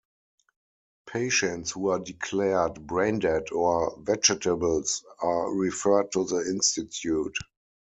Patients who are declared brain dead or "vegetables" are referred to the institute.